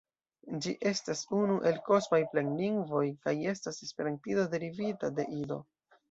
Ĝi estas unu el "kosmaj planlingvoj" kaj estas esperantido derivita de Ido.